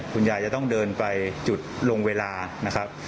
คุณยายจะต้องเดินไปจุดลงเวลานะครับ